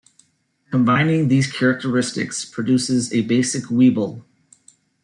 Combining these characteristics produces a basic Weeble.